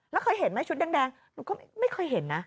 แล้วเคยเห็นไหมชุดแดงหนูก็ไม่เคยเห็นนะ